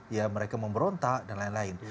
ya mereka memberontak dan lain lain